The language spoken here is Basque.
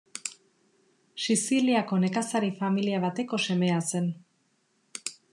Siziliako nekazari familia bateko semea zen.